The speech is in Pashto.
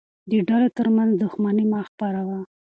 د ډلو ترمنځ دښمني مه خپروه.